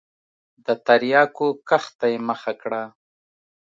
د تریاکو کښت ته یې مخه کړه.